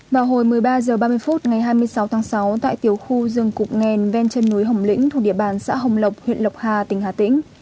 vào hồi một mươi ba h ba mươi phút ngày hai mươi sáu tháng sáu tại tiểu khu rừng cụm nghèn ven chân núi hồng lĩnh thuộc địa bàn xã hồng lộc huyện lộc hà tỉnh hà tĩnh